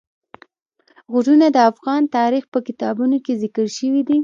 غرونه د افغان تاریخ په کتابونو کې ذکر شوی دي.